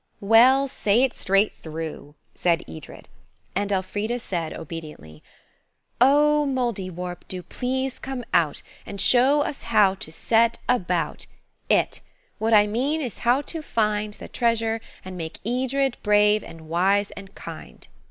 "Well, say it straight through," said Edred, and Elfrida said, obediently– "'Oh, Mouldiwarp, do please come out And show us how to set about It. What I mean is how to find The treasure, and make Edred brave and wise and kind.'